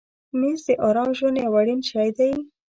مېز د آرام ژوند یو اړین شی دی.